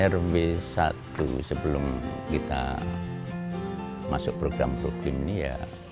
rw satu sebelum kita masuk program program ini ya